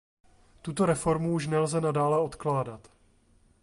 Tuto reformu už nelze nadále odkládat.